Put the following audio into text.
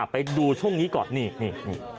ไปดูช่วงนี้ก่อนนี่